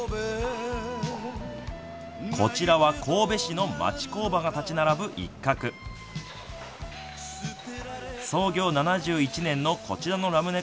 こちらは神戸市の町工場が建ち並ぶ一角創業７１年のこちらのラムネ